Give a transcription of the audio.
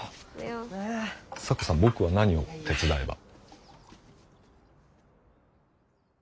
咲子さん僕は何を手伝えば？